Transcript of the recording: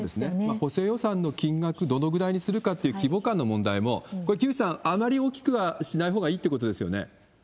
補正予算の金額、どれぐらいにするかという規模間の問題も、これ、木内さん、あまり大きくはしないほうがいいってことですよね？